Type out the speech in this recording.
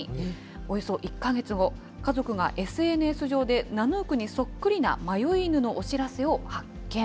およそ１か月後、家族がＳＮＳ上でナヌークにそっくりな迷い犬のお知らせを発見。